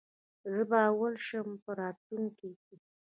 زه به اول شم په راتلونکې کي